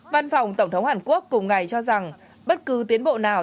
văn phòng tổng thống hàn quốc cùng ngày cho rằng bất cứ tiến bộ nào